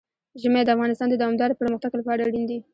ژمی د افغانستان د دوامداره پرمختګ لپاره اړین دي.